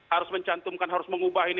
harus mencantumkan harus mengubah ini